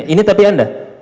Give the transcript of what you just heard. ini tapi anda